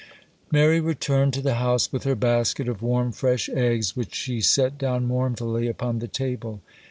MARY returned to the house with her basket of warm, fresh eggs, which she set down mournfully upon the table.